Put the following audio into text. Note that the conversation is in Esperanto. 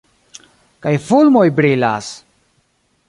Kaj fulmoj brilas!